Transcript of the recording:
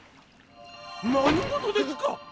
何事ですか？